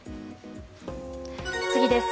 次です。